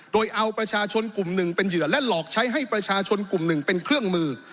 โดยเอาประชาชนกลุ่มหนึ่งเป็นเหยื่อและหลอกใช้ให้ประชาชนกลุ่มหนึ่งเป็นเครื่องมือ